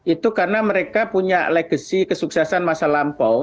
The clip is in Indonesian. itu karena mereka punya legacy kesuksesan masa lampau